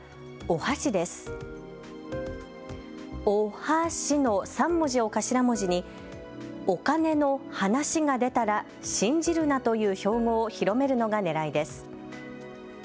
おはしの３文字を頭文字にお金のはなしが出たらしんじるな！という標語を広めるのがねらいです。